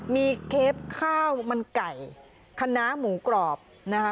มีเคปข้าวมันไก่คณะหมูกรอบนะคะ